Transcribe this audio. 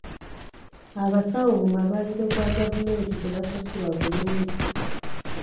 Abasawo mu malwaliro ga gavumenti tebasasulwa bulungi.